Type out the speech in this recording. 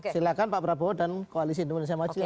silahkan pak prabowo dan koalisi indonesia maju